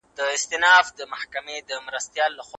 په خپل ژوند کي نوي بدلونونه راولئ.